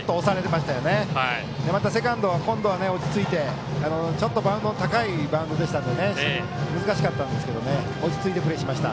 またセカンド今度は落ち着いてちょっとバウンドが高いバウンドでしたので難しかったんですけど落ち着いてプレーしました。